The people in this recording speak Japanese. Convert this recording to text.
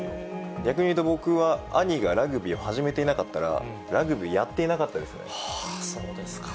逆に言うと、僕は兄がラグビーを始めていなければ、ラグビーやっていなかったそうですか。